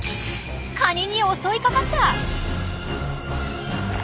カニに襲いかかった！